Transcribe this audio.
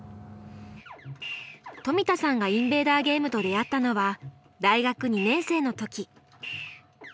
冨田さんがインベーダーゲームと出会ったのは大学２年生の時。